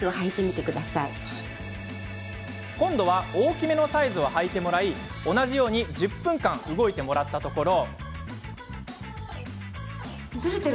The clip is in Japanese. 今度は大きめのサイズをはいてもらい同じように１０分間動いてもらったところ。